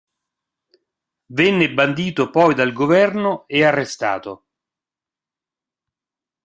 Venne bandito poi dal Governo e arrestato.